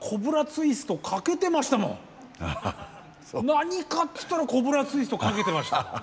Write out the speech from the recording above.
何かっつったらコブラツイストかけてました。